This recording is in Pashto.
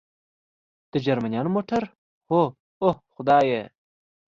د جرمنیانو موټر؟ هو، اوه خدایه.